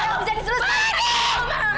kamu bisa disuruh